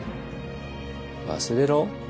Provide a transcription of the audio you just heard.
忘れろ？